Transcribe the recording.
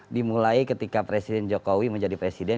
dimulai ketika presiden jokowi menjadi presiden